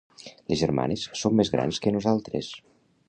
Les germanes són més grans que nosaltres.